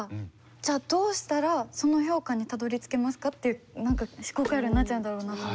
じゃあどうしたらその評価にたどりつけますか？っていう何か思考回路になっちゃうんだろうなって。